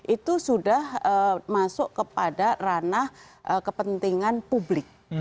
itu sudah masuk kepada ranah kepentingan publik